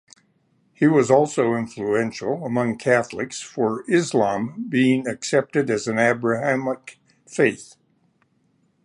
He was also influential, among Catholics, for Islam being accepted as an Abrahamic Faith.